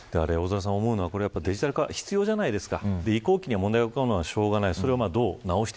大空さん、思うのはデジタル化必要じゃないですか。